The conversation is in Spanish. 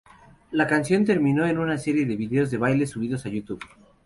La canción terminó en una serie de vídeos de baile subidos a YouTube.